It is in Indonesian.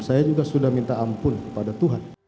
saya juga sudah minta amat